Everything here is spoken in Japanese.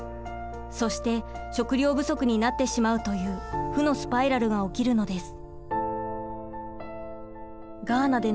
そして食糧不足になってしまうという負のスパイラルが起きるのです。